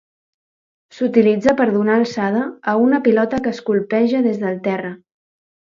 S'utilitza per donar alçada a una pilota que es colpeja des del terra.